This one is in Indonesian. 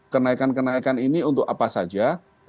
kenaikan kenaikan ini untuk apa saja